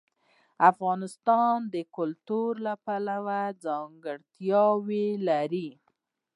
افغانستان د کلیو له پلوه ځانګړتیاوې لري.